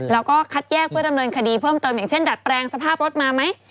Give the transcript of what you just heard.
แล้วก็คัดแยกเพื่อดำเนินคดีเพิ่มเติมอย่างเช่นดัดแปลงสภาพรถมาไหม